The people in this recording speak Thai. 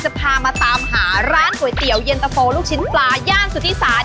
จะพามาตามหาร้านก๋วยเตี๋ยวเย็นตะโฟลูกชิ้นปลาย่านสุธิศาล